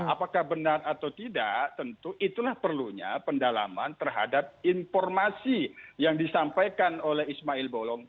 apakah benar atau tidak tentu itulah perlunya pendalaman terhadap informasi yang disampaikan oleh ismail bolong